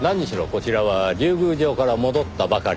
こちらは竜宮城から戻ったばかり。